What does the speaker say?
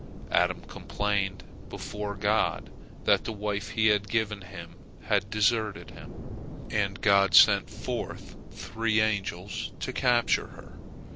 Adam complained before God that the wife He had given him had deserted him, and God sent forth three angels to capture her.